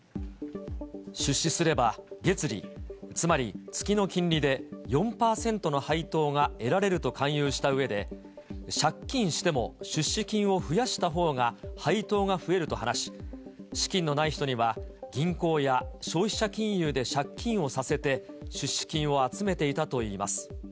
出資すれば月利、つまり月の金利で４％の配当が得られると勧誘したうえで、借金しても出資金を増やしたほうが配当が増えると話し、資金のない人には銀行や消費者金融で借金をさせて、出資金を集めていたといいます。